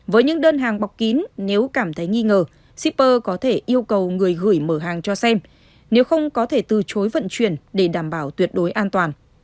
với những đơn hàng bọc kín nếu cảm thấy nghi ngờ shipper có thể yêu cầu người gửi mở hàng cho xem nếu không có thể từ chối vận chuyển để đảm bảo tuyệt đối an toàn